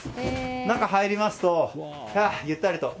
中に入りますと、ゆったりと。